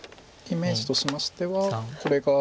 イメージとしましてはこれが。